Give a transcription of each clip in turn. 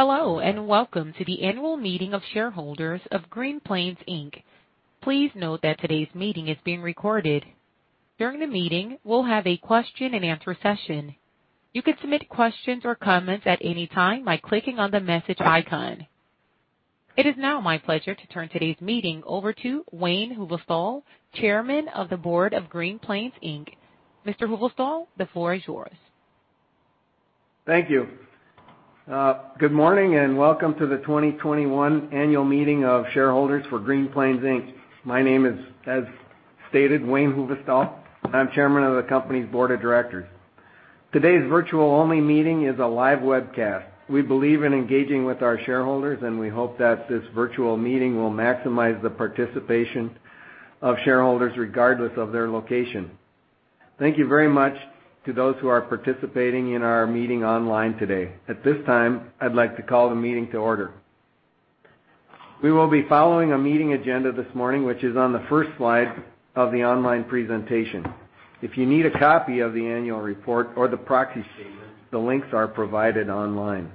Hello, and welcome to the annual meeting of shareholders of Green Plains Inc. Please note that today's meeting is being recorded. During the meeting, we'll have a question and answer session. You can submit questions or comments at any time by clicking on the message icon. It is now my pleasure to turn today's meeting over to Wayne Hoovestol, Chairman of the Board of Green Plains Inc. Mr. Hoovestol, the floor is yours. Thank you. Good morning. Welcome to the 2021 annual meeting of shareholders for Green Plains Inc. My name is, as stated, Wayne Hoovestol. I'm Chairman of the company's board of directors. Today's virtual-only meeting is a live webcast. We believe in engaging with our shareholders, and we hope that this virtual meeting will maximize the participation of shareholders regardless of their location. Thank you very much to those who are participating in our meeting online today. At this time, I'd like to call the meeting to order. We will be following a meeting agenda this morning, which is on the first slide of the online presentation. If you need a copy of the annual report or the proxy statement, the links are provided online.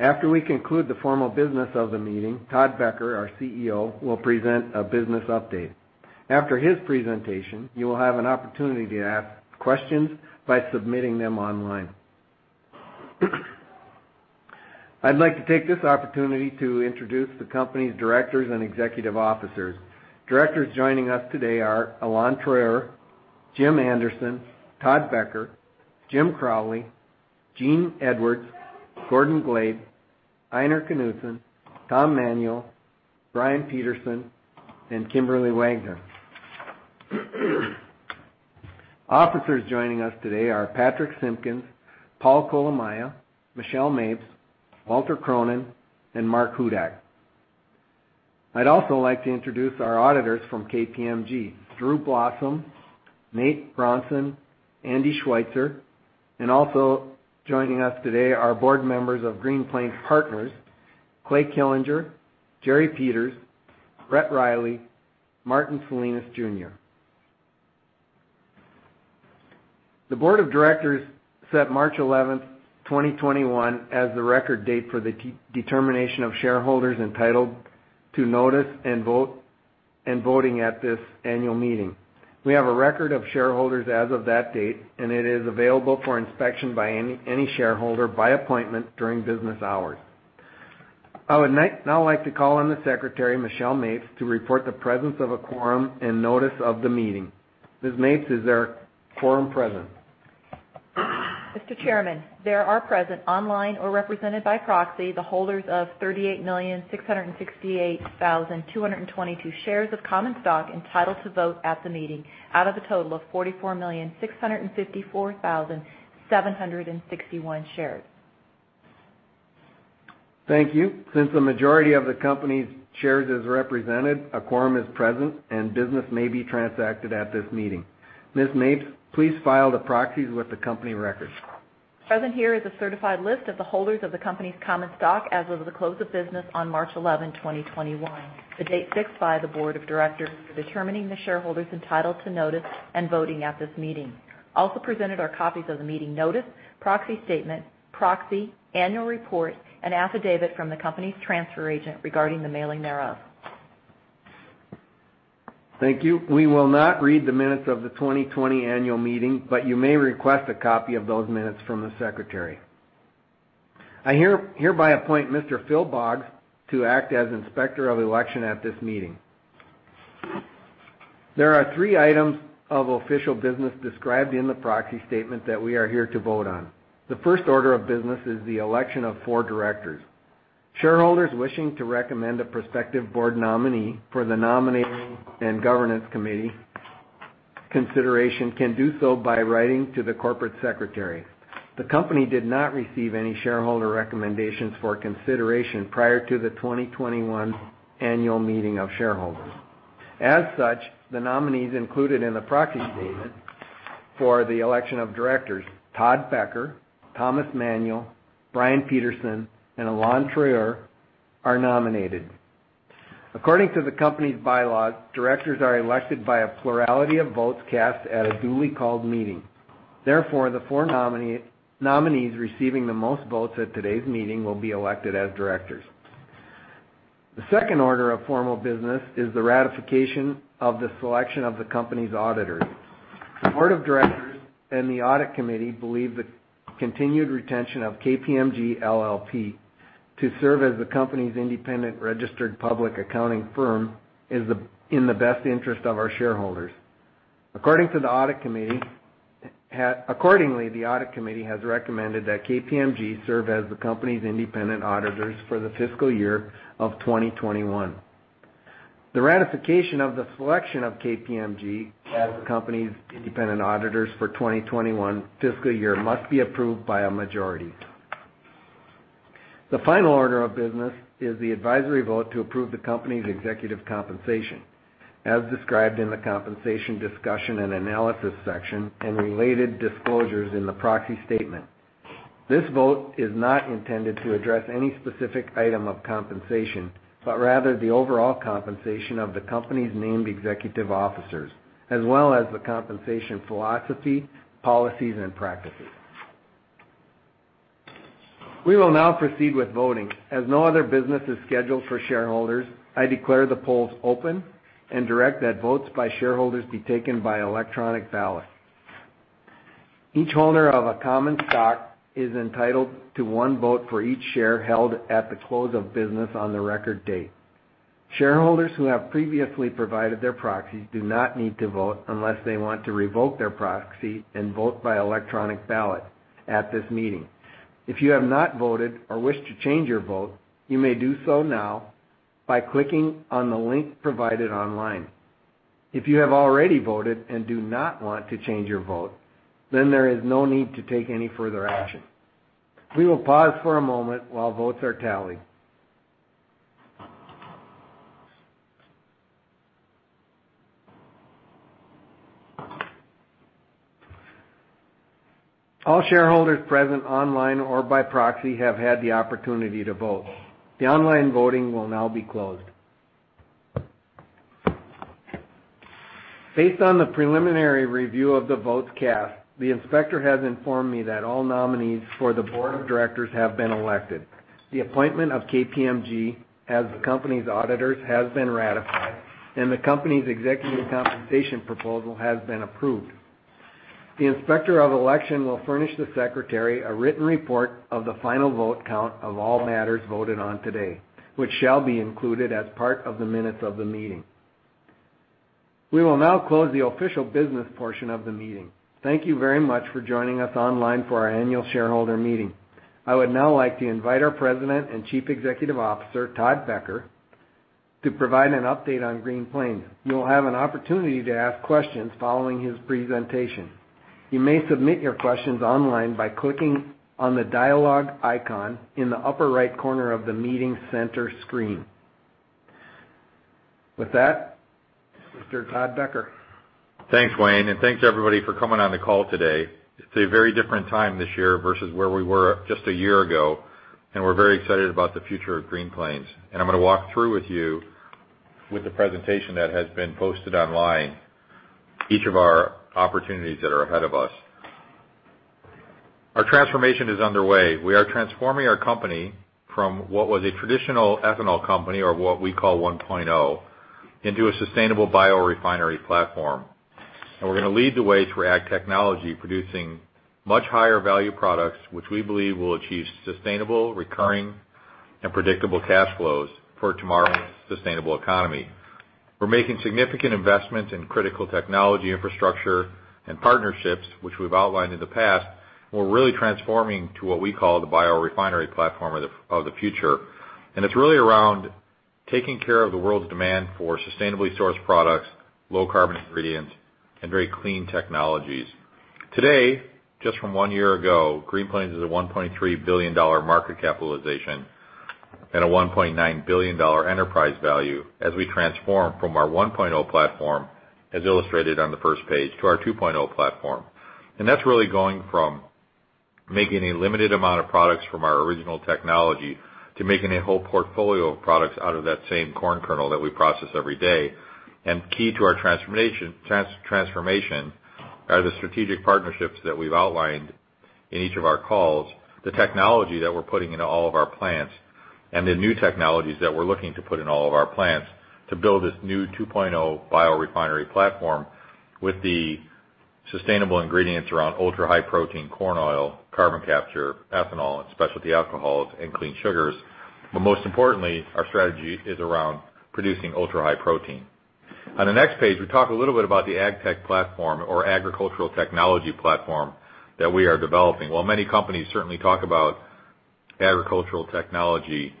After we conclude the formal business of the meeting, Todd Becker, our CEO, will present a business update. After his presentation, you will have an opportunity to ask questions by submitting them online. I'd like to take this opportunity to introduce the company's directors and executive officers. Directors joining us today are Alain Treuer, Jim Anderson, Todd Becker, James Crowley, Gene Edwards, Gordon Glade, Ejnar Knudsen, Tom Manuel, Brian Peterson, and Kimberly Wagner. Officers joining us today are Patrich Simpkins, Paul Kolomaya, Michelle Mapes, Walter Cronin, and Mark Hudak. I'd also like to introduce our auditors from KPMG, Andrew Blossom, Nathan Bronson, Andrew Schweitzer, and also joining us today are board members of Green Plains Partners, Clayton E. Killinger, Jerry L. Peters, Brett C. Riley, Martin Salinas Jr. The board of directors set March 11th, 2021, as the record date for the determination of shareholders entitled to notice and voting at this annual meeting. We have a record of shareholders as of that date, and it is available for inspection by any shareholder by appointment during business hours. I would now like to call on the Secretary, Michelle Mapes, to report the presence of a quorum and notice of the meeting. Ms. Mapes, is there a quorum present? Mr. Chairman, there are present online or represented by proxy the holders of 38,668,222 shares of common stock entitled to vote at the meeting out of a total of 44,654,761 shares. Thank you. Since the majority of the company's shares is represented, a quorum is present and business may be transacted at this meeting. Ms. Mapes, please file the proxies with the company records. Present here is a certified list of the holders of the company's common stock as of the close of business on March 11, 2021, the date fixed by the board of directors for determining the shareholders entitled to notice and voting at this meeting. Also presented are copies of the meeting notice, proxy statement, proxy, annual report, and affidavit from the company's transfer agent regarding the mailing thereof. Thank you. We will not read the minutes of the 2020 annual meeting, but you may request a copy of those minutes from the secretary. I hereby appoint Mr. Phil Boggs to act as Inspector of Election at this meeting. There are three items of official business described in the proxy statement that we are here to vote on. The first order of business is the election of four directors. Shareholders wishing to recommend a prospective board nominee for the nominating and governance committee consideration can do so by writing to the corporate secretary. The company did not receive any shareholder recommendations for consideration prior to the 2021 annual meeting of shareholders. As such, the nominees included in the proxy statement for the election of directors, Todd Becker, Tom Manuel, Brian Peterson, and Alain Treuer are nominated. According to the company's bylaws, directors are elected by a plurality of votes cast at a duly called meeting. The four nominees receiving the most votes at today's meeting will be elected as directors. The second order of formal business is the ratification of the selection of the company's auditors. The board of directors and the audit committee believe the continued retention of KPMG LLP to serve as the company's independent registered public accounting firm is in the best interest of our shareholders. The audit committee has recommended that KPMG serve as the company's independent auditors for the fiscal year of 2021. The ratification of the selection of KPMG as the company's independent auditors for 2021 fiscal year must be approved by a majority. The final order of business is the advisory vote to approve the company's executive compensation as described in the compensation discussion and analysis section and related disclosures in the proxy statement. This vote is not intended to address any specific item of compensation, but rather the overall compensation of the company's named executive officers, as well as the compensation philosophy, policies, and practices. We will now proceed with voting. As no other business is scheduled for shareholders, I declare the polls open and direct that votes by shareholders be taken by electronic ballot. Each holder of a common stock is entitled to one vote for each share held at the close of business on the record date. Shareholders who have previously provided their proxies do not need to vote unless they want to revoke their proxy and vote by electronic ballot at this meeting. If you have not voted or wish to change your vote, you may do so now by clicking on the link provided online. If you have already voted and do not want to change your vote, then there is no need to take any further action. We will pause for a moment while votes are tallied. All shareholders present online or by proxy have had the opportunity to vote. The online voting will now be closed. Based on the preliminary review of the votes cast, the inspector has informed me that all nominees for the board of directors have been elected. The appointment of KPMG as the company's auditors has been ratified, and the company's executive compensation proposal has been approved. The Inspector of Election will furnish the secretary a written report of the final vote count of all matters voted on today, which shall be included as part of the minutes of the meeting. We will now close the official business portion of the meeting. Thank you very much for joining us online for our annual shareholder meeting. I would now like to invite our President and Chief Executive Officer, Todd Becker, to provide an update on Green Plains. You will have an opportunity to ask questions following his presentation. You may submit your questions online by clicking on the dialogue icon in the upper right corner of the meeting center screen. With that, Mr. Todd Becker. Thanks, Wayne Hoovestol, and thanks everybody for coming on the call today. It's a very different time this year versus where we were just a year ago. We're very excited about the future of Green Plains. I'm going to walk through with you, with the presentation that has been posted online, each of our opportunities that are ahead of us. Our transformation is underway. We are transforming our company from what was a traditional ethanol company, or what we call 1.0, into a sustainable biorefinery platform. We're going to lead the way through ag technology, producing much higher value products, which we believe will achieve sustainable, recurring, and predictable cash flows for tomorrow's sustainable economy. We're making significant investments in critical technology infrastructure and partnerships, which we've outlined in the past. We're really transforming to what we call the biorefinery platform of the future, and it's really around taking care of the world's demand for sustainably sourced products, low carbon ingredients, and very clean technologies. Today, just from one year ago, Green Plains is a $1.3 billion market capitalization and a $1.9 billion enterprise value as we transform from our 1.0 platform, as illustrated on the first page, to our 2.0 platform. That's really going from making a limited amount of products from our original technology to making a whole portfolio of products out of that same corn kernel that we process every day. Key to our transformation are the strategic partnerships that we've outlined in each of our calls, the technology that we're putting into all of our plants, and the new technologies that we're looking to put in all of our plants to build this new 2.0 biorefinery platform with the sustainable ingredients around Ultra-High Protein corn oil, carbon capture, ethanol, and specialty alcohols, and clean sugars. Most importantly, our strategy is around producing Ultra-High Protein. On the next page, we talk a little bit about the AgTech platform or agricultural technology platform that we are developing. While many companies certainly talk about agricultural technology,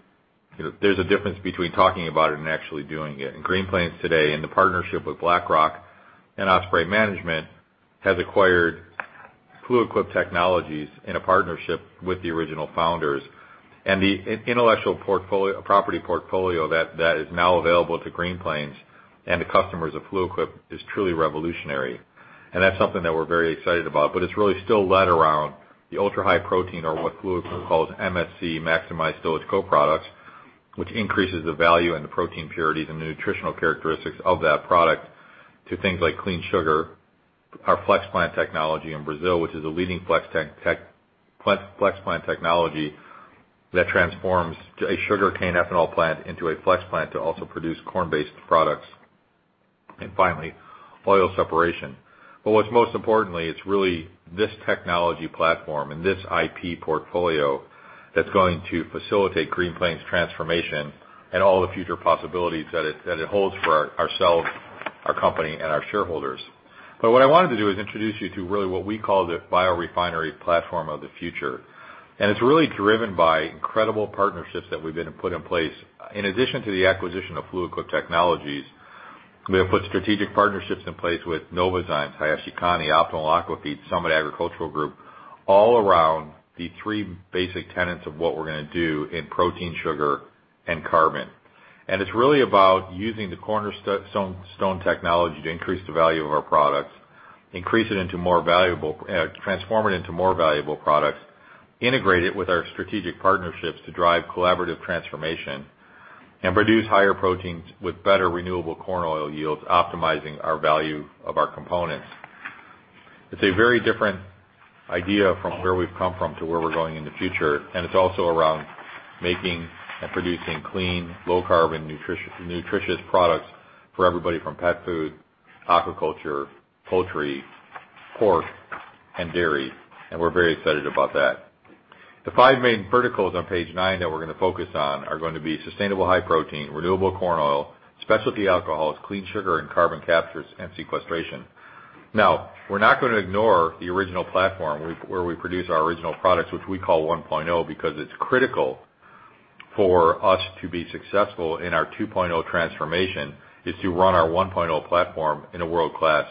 there's a difference between talking about it and actually doing it. Green Plains today, in the partnership with BlackRock and Ospraie Management, has acquired Fluid Quip Technologies in a partnership with the original founders. The intellectual property portfolio that is now available to Green Plains and the customers of FluidQuip is truly revolutionary. That's something that we're very excited about, but it's really still led around the Ultra-High Protein or what FluidQuip calls MSC, Maximized Stillage Co-Products, which increases the value and the protein purity, the nutritional characteristics of that product to things like Clean Sugar Technology. Our flex plant technology in Brazil, which is a leading flex plant technology that transforms a sugarcane ethanol plant into a flex plant to also produce corn-based products. Finally, oil separation. What's most importantly, it's really this technology platform and this IP portfolio that's going to facilitate Green Plains' transformation and all the future possibilities that it holds for ourselves, our company, and our shareholders. What I wanted to do is introduce you to really what we call the biorefinery platform of the future. It's really driven by incredible partnerships that we've been put in place. In addition to the acquisition of Fluid Quip Technologies, we have put strategic partnerships in place with Novozymes, Hayashikane Sangyo, Optimal Aquafeed, Summit Agricultural Group, all around the three basic tenets of what we're going to do in protein, sugar, and carbon. It's really about using the cornerstone technology to increase the value of our products, transform it into more valuable products, integrate it with our strategic partnerships to drive collaborative transformation, and produce higher proteins with better renewable corn oil yields, optimizing our value of our components. It's a very different idea from where we've come from to where we're going in the future, it's also around making and producing clean, low-carbon, nutritious products for everybody, from pet food, aquaculture, poultry, pork, and dairy. We're very excited about that. The five main verticals on page 9 that we're going to focus on are going to be sustainable high protein, renewable corn oil, specialty alcohols, Clean Sugar, and carbon capture and sequestration. We're not going to ignore the original platform where we produce our original products, which we call 1.0, because it's critical for us to be successful in our 2.0 transformation is to run our 1.0 platform at a world-class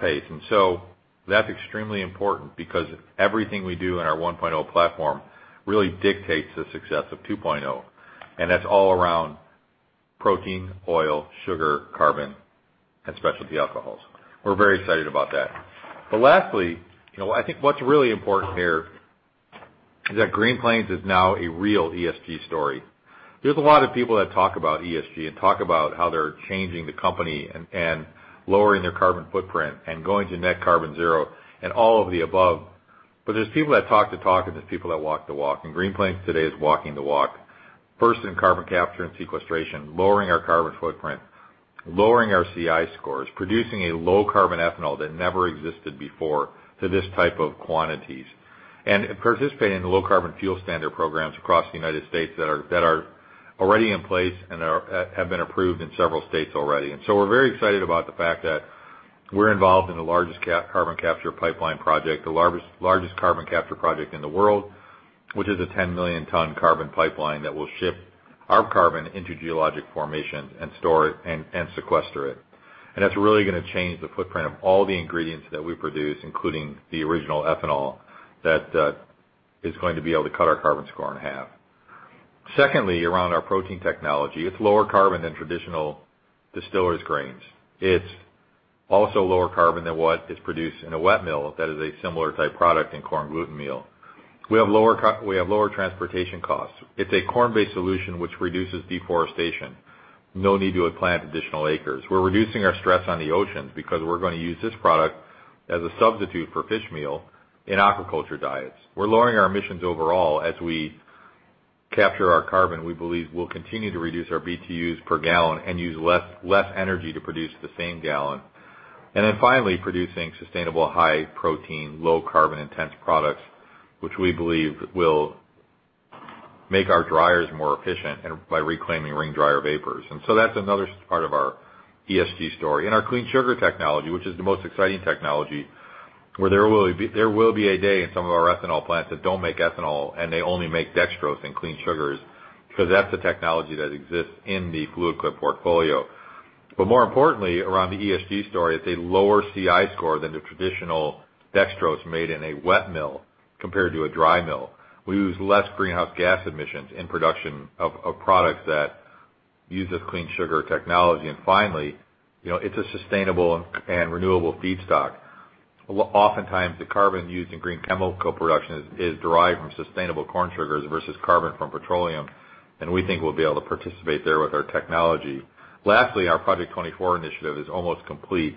pace. That's extremely important because everything we do in our 1.0 platform really dictates the success of 2.0, and that's all around protein, oil, sugar, carbon, and specialty alcohols. We're very excited about that. Lastly, I think what's really important here is that Green Plains is now a real ESG story. There's a lot of people that talk about ESG and talk about how they're changing the company and lowering their carbon footprint and going to net carbon zero and all of the above. There's people that talk the talk, and there's people that walk the walk. Green Plains today is walking the walk, first in carbon capture and sequestration, lowering our carbon footprint, lowering our CI scores, producing a low-carbon ethanol that never existed before to this type of quantities. Participating in Low Carbon Fuel Standard programs across the United States that are already in place and have been approved in several states already. We're very excited about the fact that we're involved in the largest carbon capture pipeline project, the largest carbon capture project in the world, which is a 10-million-ton carbon pipeline that will ship our carbon into geologic formations and store it and sequester it. That's really going to change the footprint of all the ingredients that we produce, including the original ethanol, that is going to be able to cut our carbon score in half. Secondly, around our protein technology, it's lower carbon than traditional distillers' grains. It's also lower carbon than what is produced in a wet mill that is a similar type product in corn gluten meal. We have lower transportation costs. It's a corn-based solution which reduces deforestation. No need to plant additional acres. We're reducing our stress on the oceans because we're going to use this product as a substitute for fish meal in aquaculture diets. We're lowering our emissions overall as we capture our carbon, we believe we'll continue to reduce our BTUs per gallon and use less energy to produce the same gallon. Finally, producing sustainable high protein, low carbon intense products, which we believe will make our dryers more efficient by reclaiming ring dryer vapors. That's another part of our ESG story. Our Clean Sugar Technology, which is the most exciting technology. There will be a day in some of our ethanol plants that don't make ethanol and they only make dextrose and clean sugars, because that's the technology that exists in the FluidQuip portfolio. More importantly, around the ESG story, it's a lower CI score than the traditional dextrose made in a wet mill compared to a dry mill. We use less greenhouse gas emissions in production of products that use this Clean Sugar Technology. Finally, it's a sustainable and renewable feedstock. Oftentimes, the carbon used in green chemical production is derived from sustainable corn sugars versus carbon from petroleum, and we think we'll be able to participate there with our technology. Our Project 24 initiative is almost complete.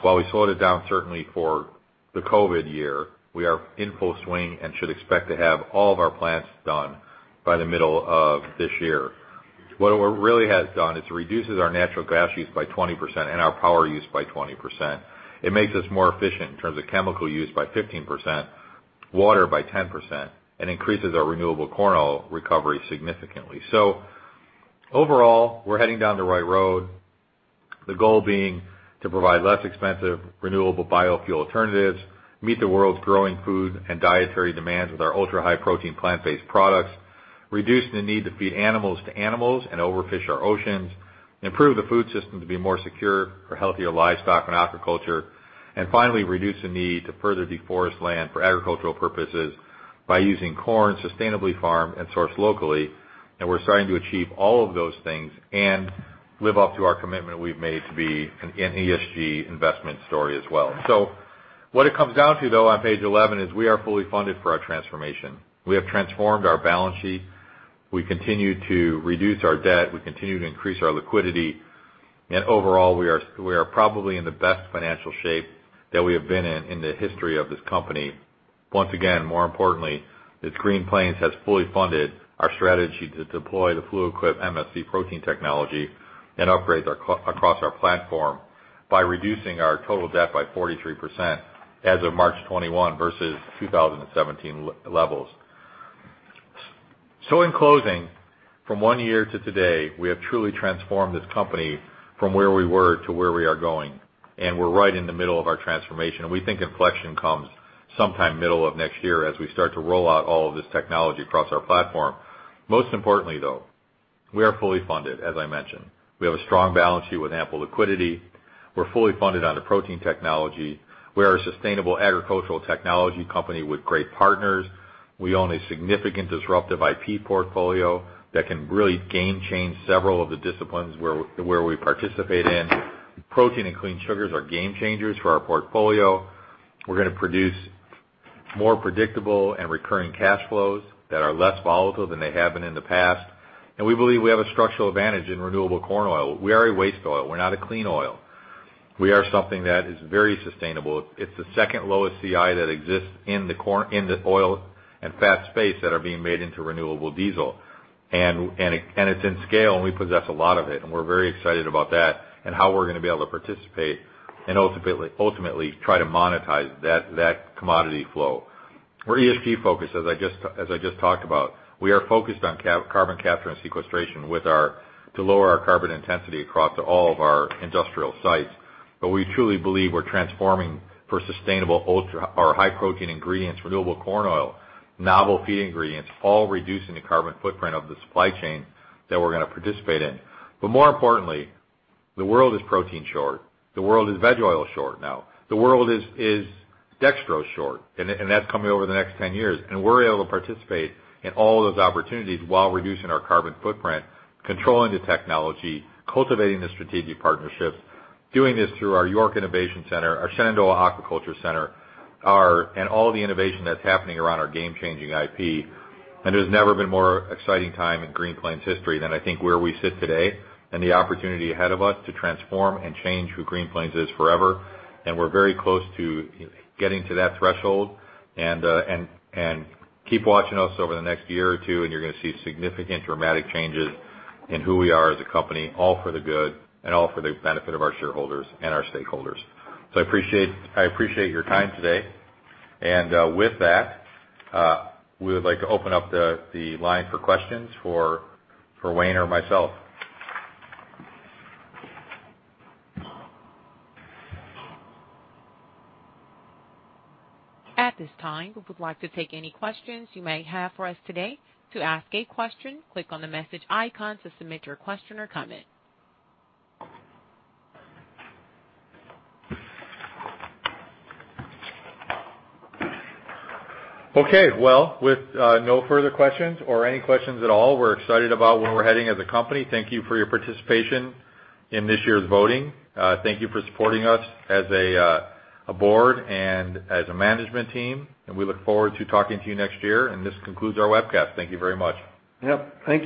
While we slowed it down certainly for the COVID year, we are in full swing and should expect to have all of our plants done by the middle of this year. What it really has done is reduces our natural gas use by 20% and our power use by 20%. It makes us more efficient in terms of chemical use by 15%, water by 10%, and increases our renewable corn oil recovery significantly. Overall, we're heading down the right road, the goal being to provide less expensive renewable biofuel alternatives, meet the world's growing food and dietary demands with our Ultra-High Protein plant-based products, reduce the need to feed animals to animals and overfish our oceans, improve the food system to be more secure for healthier livestock and aquaculture, and finally, reduce the need to further deforest land for agricultural purposes by using corn sustainably farmed and sourced locally. We're starting to achieve all of those things and live up to our commitment we've made to be an ESG investment story as well. What it comes down to, though, on page 11 is we are fully funded for our transformation. We have transformed our balance sheet. We continue to reduce our debt. We continue to increase our liquidity. Overall, we are probably in the best financial shape that we have been in the history of this company. Once again, more importantly, that Green Plains has fully funded our strategy to deploy the Fluid Quip MSC protein technology and upgrades across our platform by reducing our total debt by 43% as of March 21 versus 2017 levels. In closing, from one year to today, we have truly transformed this company from where we were to where we are going, and we're right in the middle of our transformation. We think inflection comes sometime middle of next year as we start to roll out all of this technology across our platform. Most importantly, though, we are fully funded, as I mentioned. We have a strong balance sheet with ample liquidity. We're fully funded on the protein technology. We are a sustainable agricultural technology company with great partners. We own a significant disruptive IP portfolio that can really game change several of the disciplines where we participate in. Protein and clean sugars are game changers for our portfolio. We're going to produce more predictable and recurring cash flows that are less volatile than they have been in the past. We believe we have a structural advantage in renewable corn oil. We are a waste oil. We're not a clean oil. We are something that is very sustainable. It's the second lowest CI that exists in the oil and fat space that are being made into renewable diesel. It's in scale, and we possess a lot of it, and we're very excited about that and how we're going to be able to participate and ultimately try to monetize that commodity flow. We're ESG focused, as I just talked about. We are focused on carbon capture and sequestration to lower our carbon intensity across all of our industrial sites. We truly believe we're transforming for sustainable ultra or high protein ingredients, renewable corn oil, novel feed ingredients, all reducing the carbon footprint of the supply chain that we're going to participate in. More importantly, the world is protein short. The world is veg oil short now. The world is dextrose short, and that's coming over the next 10 years. We're able to participate in all those opportunities while reducing our carbon footprint, controlling the technology, cultivating the strategic partnerships, doing this through our York Innovation Center, our Shenandoah Aquaculture Center, and all the innovation that's happening around our game-changing IP. There's never been more exciting time in Green Plains' history than I think where we sit today and the opportunity ahead of us to transform and change who Green Plains is forever. We're very close to getting to that threshold. Keep watching us over the next year or two, and you're going to see significant dramatic changes in who we are as a company, all for the good and all for the benefit of our shareholders and our stakeholders. I appreciate your time today. With that, we would like to open up the line for questions for Wayne or myself. At this time, we would like to take any questions you may have for us today. To ask a question, click on the message icon to submit your question or comment. Okay. Well, with no further questions or any questions at all, we're excited about where we're heading as a company. Thank you for your participation in this year's voting. Thank you for supporting us as a board and as a management team. We look forward to talking to you next year. This concludes our webcast. Thank you very much. Yep. Thank you.